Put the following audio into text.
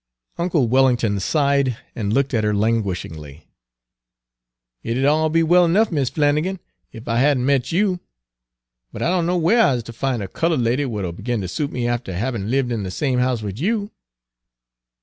Uncle Wellington sighed, and looked at her languishingly. "It 'u'd all be well ernuff, Mis' Flannigan, ef I had n' met you; but I don' know whar I's ter fin' a colored lady w'at 'll begin ter suit me after habbin' libbed in de same house wid you."